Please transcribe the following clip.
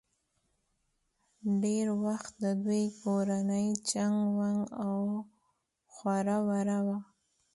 ډېر وخت د دوي کورنۍ چنګ ونګ او خوره وره وه